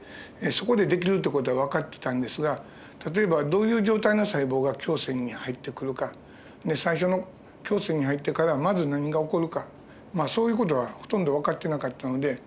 そこで出来るって事はわかってたんですが例えばどういう状態の細胞が胸腺に入ってくるか最初の胸腺に入ってからまず何が起こるかそういう事はほとんどわかってなかったので。